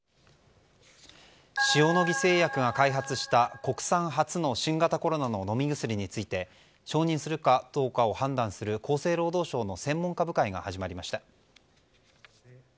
塩野義製薬が開発した国産初の新型コロナの飲み薬について承認するかどうかを判断する厚生労働省の専門家部会が始まりました。